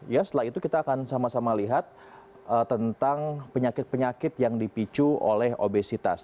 ya setelah itu kita akan sama sama lihat tentang penyakit penyakit yang dipicu oleh obesitas